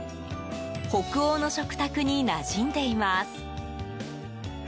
北欧の食卓になじんでいます。